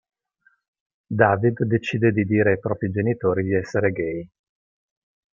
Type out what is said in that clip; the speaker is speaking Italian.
David decide di dire ai propri genitori di essere gay.